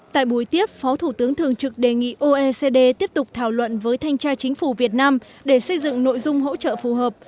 tại buổi tiếp phó thủ tướng thường trực đề nghị oecd tiếp tục thảo luận với thanh tra chính phủ việt nam để xây dựng nội dung hỗ trợ phù hợp